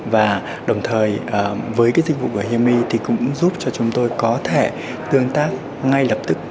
và đồng thời với cái dịch vụ của himi thì cũng giúp cho chúng tôi có thể tương tác ngay lập tức